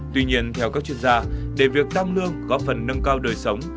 tuy nhiên theo các chuyên gia để việc tăng lương có phần nâng cao đời sống